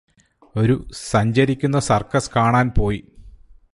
ഒരു സഞ്ചരിക്കുന്ന സര്ക്കസ് കാണാന് പോയി